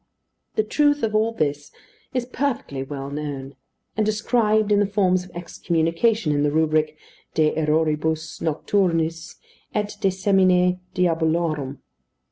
The truth of all this is perfectly well known, and described in the forms of excommunication in the rubric de erroribus nocturnis et de semine diabolorum.